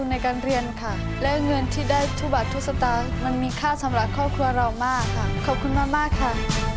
ในการเรียนค่ะและเงินที่ได้ทุกบัตรทุกสตางค์มันมีค่าสำหรับครอบครัวเรามากค่ะขอบคุณมากค่ะ